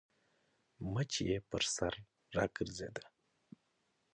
مچ يې پر سر راګرځېده.